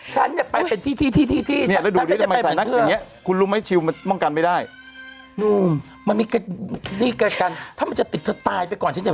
เขาพูดเป็นห่วงกับเมตย์จริง